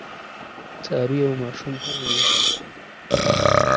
څاروي او ماشوم هم وي.